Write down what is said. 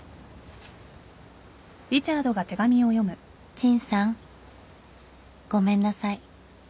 「陳さんごめんなさい」